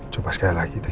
coba sekali lagi deh